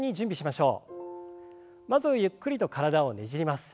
まずはゆっくりと体をねじります。